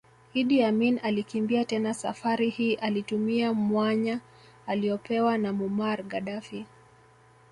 Idi Amin alikimbia tena Safari hii alitumia mwanya aliopewa na Muammar Gaddafi